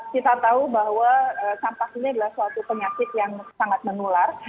kita tahu bahwa sampah ini adalah suatu penyakit yang sangat menular